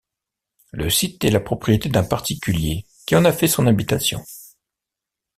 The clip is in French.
Le site est la propriété d'un particulier qui en a fait son habitation.